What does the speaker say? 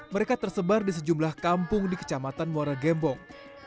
mereka tersebar di sejumlah kampung di kecamatan muara gembong